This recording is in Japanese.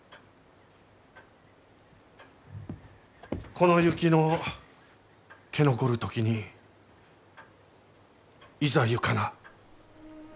「この雪の消残る時にいざ行かな」。